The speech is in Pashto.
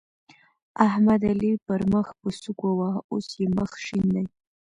احمد؛ علي پر مخ په سوک وواهه ـ اوس يې مخ شين دی.